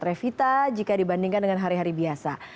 revita jika dibandingkan dengan hari hari biasa